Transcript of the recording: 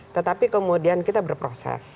tetapi kemudian kita berproses